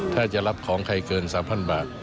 ถ้าจะรับของใครเกิน๓๐๐บาท